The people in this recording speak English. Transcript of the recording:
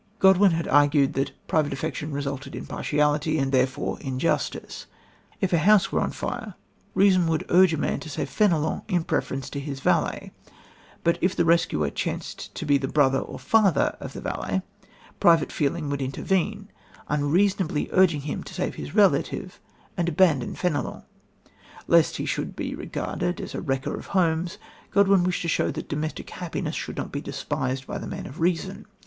Godwin had argued that private affections resulted in partiality, and therefore injustice. If a house were on fire, reason would urge a man to save Fénelon in preference to his valet; but if the rescuer chanced to be the brother or father of the valet, private feeling would intervene, unreasonably urging him to save his relative and abandon Fénelon. Lest he should be regarded as a wrecker of homes, Godwin wished to show that domestic happiness should not be despised by the man of reason.